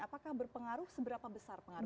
apakah berpengaruh seberapa besar pengaruhnya